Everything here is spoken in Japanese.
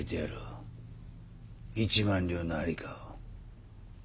一万両の在りかを。